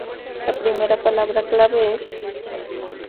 La primera palabra clave es 地狱.